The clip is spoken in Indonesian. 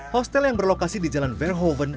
hotel yang berlokasi di jalan verhoeven